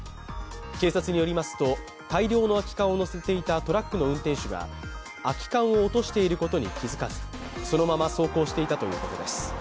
警察によりますと、大量の空き缶を載せていたトラックの運転手が空き缶を落としていることに気づかず、そのまま走行していたということです。